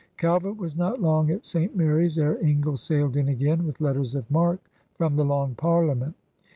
Calvert was not long at St. Mary's ere Ingle sailed in again with letters of marque from the Long Parliament.